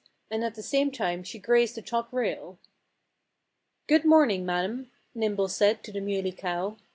And at the same time she grazed the top rail. "Good morning, madam!" Nimble said to the Muley Cow.